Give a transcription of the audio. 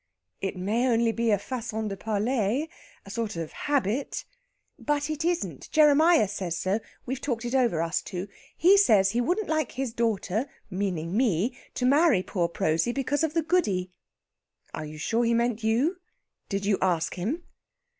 "It may only be a façon de parler a sort of habit." "But it isn't. Jeremiah says so. We've talked it over, us two. He says he wouldn't like his daughter meaning me to marry poor Prosy, because of the Goody." "Are you sure he meant you? Did you ask him?"